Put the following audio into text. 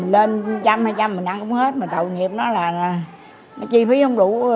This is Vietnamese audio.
lên một trăm linh hai trăm linh mình ăn cũng hết mà tội nghiệp nó là chi phí không đủ